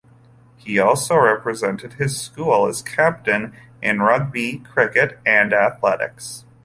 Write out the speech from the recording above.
He also represented his school as captain in Rugby, Cricket and Athletics.